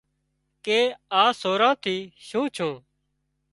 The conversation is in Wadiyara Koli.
ڪي آ سوران ٿي شُون ڇُون سي